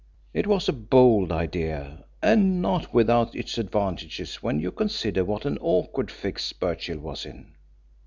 It was a bold idea, and not without its advantages when you consider what an awkward fix Birchill was in.